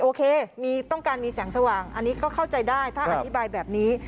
โอเคต้องการมีแสงสว่างอันนี้ก็เข้าใจได้ถ้าอธิบายแบบนี้